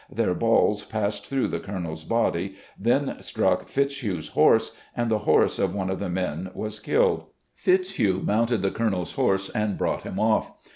Their balls passed through the Colonel's body, then struck Fitzhugh's horse, and the horse of one of the men was killed. Fitzhugh moimted the Colonel's horse and brought him off.